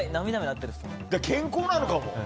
健康なのかも。